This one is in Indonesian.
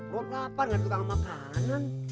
lu lapar gak ada tukang makanan